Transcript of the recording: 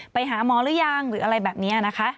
ไปหาหมอหรือยังหรืออะไรแบบนี้นะคะ